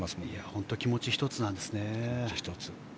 本当に気持ち１つなんですね。